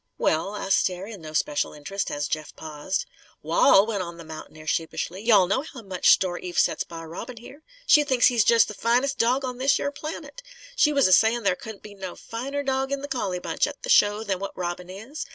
"Well?" asked Stair, in no special interest, as Jeff paused. "Wal," went on the mountaineer sheepishly, "you all know how much store Eve sets by Robin, here. She thinks he's jest the finest dawg on this yer planet. She was a sayin' there couldn't be no finer dawg in the collie bunch, at the show, than what Robin is.